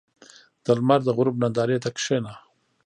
• د لمر د غروب نندارې ته کښېنه.